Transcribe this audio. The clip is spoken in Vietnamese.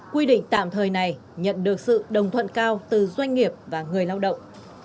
quy định tạm thời này nhận được sự đồng thuận cao từ doanh nghiệp và người lao động